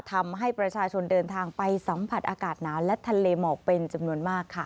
ทำให้ประชาชนเดินทางไปสัมผัสอากาศหนาวและทะเลหมอกเป็นจำนวนมากค่ะ